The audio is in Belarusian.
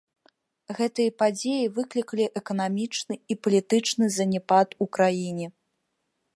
Гэтыя падзеі выклікалі эканамічны і палітычны заняпад у краіне.